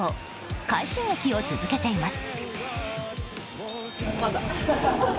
快進撃を続けています。